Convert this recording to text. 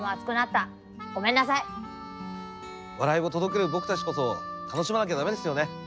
笑いを届ける僕たちこそ楽しまなきゃ駄目ですよね。